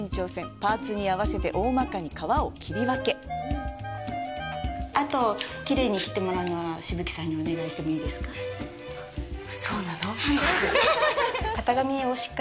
パーツに合わせて大まかに革を切り分けあと、きれいに切ってもらうのは紫吹さんにお願いしてもいいですか？